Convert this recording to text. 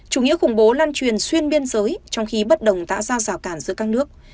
chủ nghĩa khủng bố lan truyền xuyên biên giới trong khi bất đồng tạo ra rào cản giữa các nước